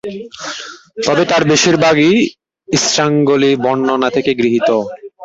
তবে তার বেশির ভাগই ইসরাঈলী বর্ণনা থেকে গৃহীত।